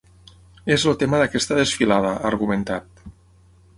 És el tema d’aquesta desfilada, ha argumentat.